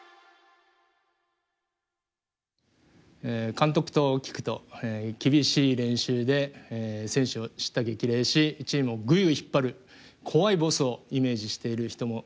監督と聞くと厳しい練習で選手を叱咤激励しチームをぐいぐい引っ張る怖いボスをイメージしている人もいると思います。